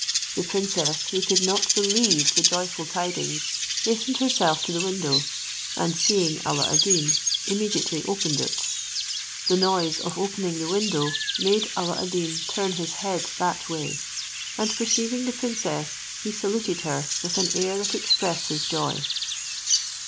The princess, who could not believe the joyful tidings, hastened herself to the window, and seeing Alla ad Deen, immediately opened it. The noise of opening the window made Alla ad Deen turn his head that way, and perceiving the princess he saluted her with an air that expressed his joy.